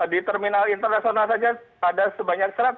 di terminal internasional saja ada sebanyaknya